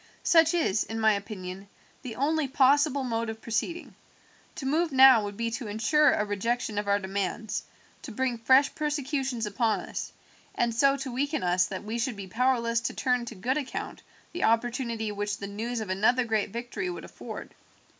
"Such is, in my opinion, the only possible mode of proceeding. To move now would be to ensure a rejection of our demands, to bring fresh persecutions upon us, and so to weaken us that we should be powerless to turn to good account the opportunity which the news of another great victory would afford.